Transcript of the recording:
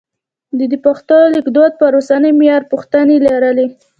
ده د پښتو لیکدود پر اوسني معیار پوښتنې لرلې.